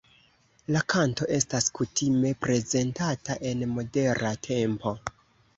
La kanto estas kutime prezentata en modera tempo.